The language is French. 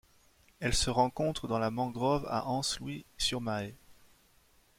Elle se rencontre dans la mangrove à Anse Louis sur Mahé.